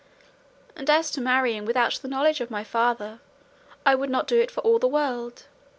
And as to marrying without the knowledge of my father, I would not do it for all the world.